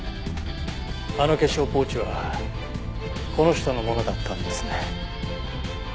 あの化粧ポーチはこの人のものだったんですね。